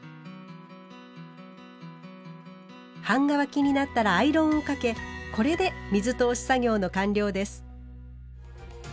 半乾きになったらアイロンをかけこれで水通し作業の完了です。